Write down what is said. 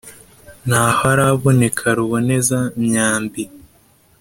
ntaho araboneka ruboneza-myambi,